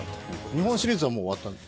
日本シリーズはもう終わった？